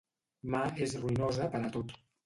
Ma és ruïnosa per a tot.